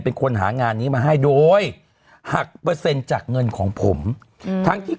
ผมแค่ระบายความรู้สึกของผมเองครับ